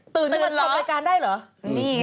ตื่นมาทำรายการได้เหรอ